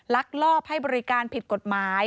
ลักลอบให้บริการผิดกฎหมาย